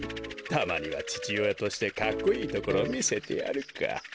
たまにはちちおやとしてかっこいいところをみせてやるか。